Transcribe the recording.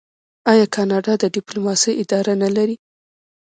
آیا کاناډا د ډیپلوماسۍ اداره نلري؟